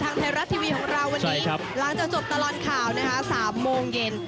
ไทยรัฐทีวีของเราวันนี้หลังจากจบตลอดข่าวนะคะ๓โมงเย็น